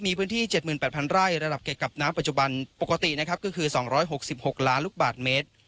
มีพื้นที่เจ็ดหมื่นแปดพันไร่ระดับเก็บกับน้ำปัจจุบันปกตินะครับก็คือสองร้อยหกสิบหกล้านลูกบาทเมตร